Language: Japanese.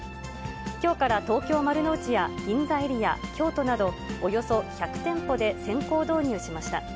きょうから東京・丸の内や銀座エリア、京都など、およそ１００店舗で先行導入しました。